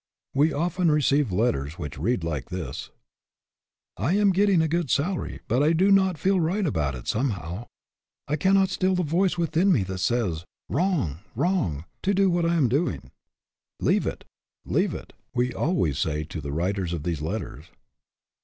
We often receive letters which read like this: " I am getting a good salary ; but I do not feel right about it, somehow. I cannot still the voice within me that says, 'Wrong, wrong/ to what I am doing." " Leave it, leave it," we always say to the STAND FOR SOMETHING 143 writers of these letters.